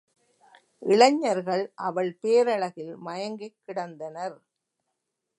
இளைஞர்கள் அவள் பேரழகில் மயங்கிக் கிடந்தனர்.